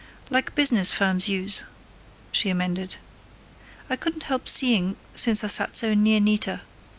"Like business firms use," she amended. "I couldn't help seeing, since I sat so near Nita.